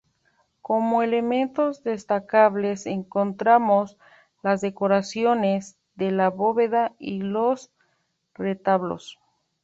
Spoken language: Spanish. Como elementos destacables encontramos las decoraciones de la bóveda y los retablos.